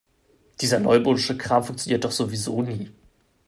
Dieser neumodische Kram funktioniert doch sowieso nie.